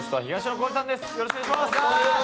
よろしくお願いします！